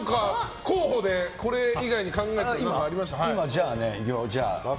候補で、これ以外に考えてたのありました？